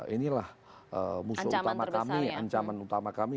inilah musuh utama kami ancaman utama kami